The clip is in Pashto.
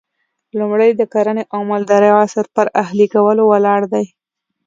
لومړی د کرنې او مالدارۍ عصر پر اهلي کولو ولاړ دی